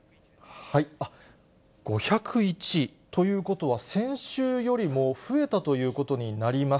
５０１ということは、先週よりも増えたということになります。